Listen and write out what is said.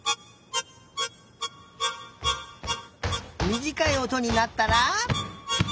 みじかいおとになったら。